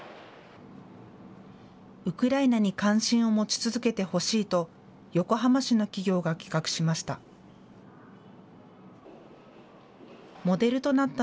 ウクライナに関心を持ち続けてほしいと横浜市の企業が企画しました。